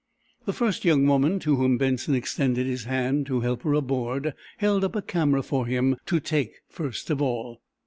The first young woman to whom Benson extended his hand to help her aboard held up a camera for him to take first of all.